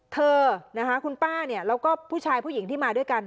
เธอนะคะคุณป้าเนี่ยแล้วก็ผู้ชายผู้หญิงที่มาด้วยกัน